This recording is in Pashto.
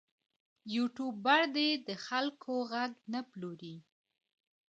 یوټوبر دې د خلکو غږ نه پلوري.